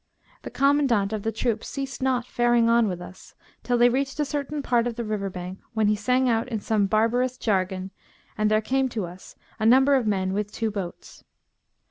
The Commandant of the troop ceased not faring on with us, till they reached a certain part of the river bank, when he sang out in some barbarous jargon[FN#213] and there came to us a number of men with two boats.